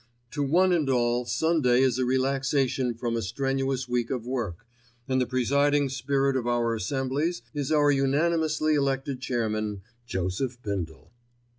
To one and all Sunday is a relaxation from a strenuous week of work, and the presiding spirit of our assemblies is our unanimously elected chairman, Joseph Bindle.